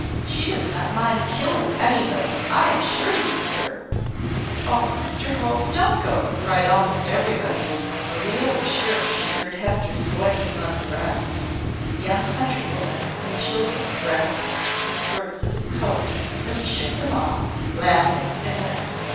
She does not mind killing anybody, I assure you, sir." "Oh, Mr Hope, don't go!" cried almost everybody. Maria was sure she heard Hester's voice among the rest. The young countrywoman and the children grasped the skirts of his coat; but he shook them off, laughing, and went.